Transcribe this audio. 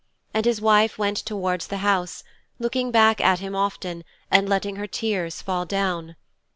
And his wife went towards the house, looking back at him often and letting her tears fall down.